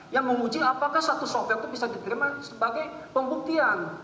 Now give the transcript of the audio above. yang menguji apakah satu software itu bisa diterima sebagai pembuktian